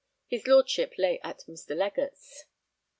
His Lordship lay at Mr. Legatt's.